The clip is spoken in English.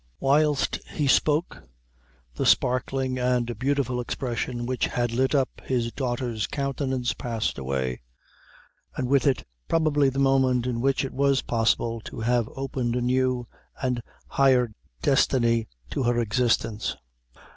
Whilst he spoke, the sparkling and beautiful expression which had lit up his daughter's countenance passed away, and with it probably the moment in which it was possible to have opened a new and higher destiny to her existence.